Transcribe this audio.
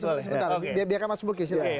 sebentar biarkan mas bulki silahkan